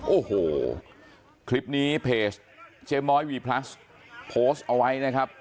โอ้โหคลิปนี้เพจเจ๊ม้อยวีพลัสโพสต์เอาไว้นะครับ